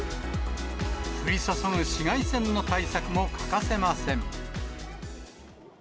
降りそそぐ紫外線の対策も欠かせません。